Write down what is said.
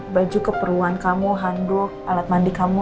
baju keperluan kamu handuk alat mandi kamu